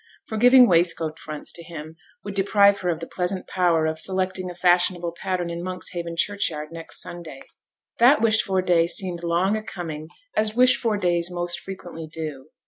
For giving waistcoat fronts to him would deprive her of the pleasant power of selecting a fashionable pattern in Monkshaven churchyard next Sunday. That wished for day seemed long a coming, as wished for days most frequently do.